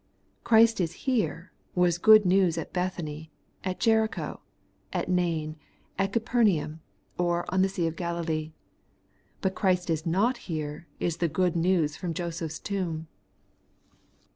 Christ is here, was good news at Bethany, at Jericho, at Nain, at Capernaum, or on the sea of GaUlee ; but Christ is not here, is the good news from Joseph's tomb.